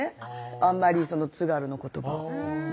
あんまり津軽の言葉